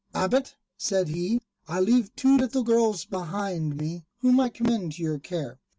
"Abbot," said he, "I leave two little girls behind me, whom I commend to your care.